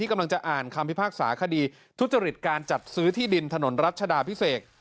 กำลังจะอ่านคำพิพากษาคดีทุจริตการจัดซื้อที่ดินถนนรัชดาพิเศษ